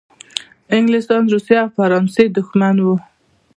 د انګلستان، روسیې او فرانسې دښمن وو.